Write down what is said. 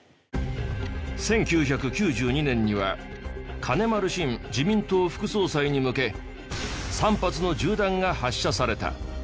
１９９２年には金丸信自民党副総裁に向け３発の銃弾が発射された。